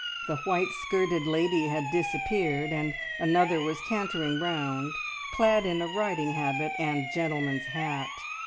The white skirted lady had disappeared and another was cantering round, clad in a riding habit and gentleman's hat.